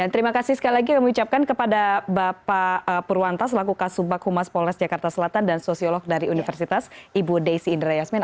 terima kasih sekali lagi yang saya ucapkan kepada bapak purwantas laku kasubag humas polres jakarta selatan dan sosiolog dari universitas ibu desi indra yasmin